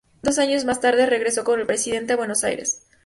Dos años más tarde, regresó con el presidente a Buenos Aires.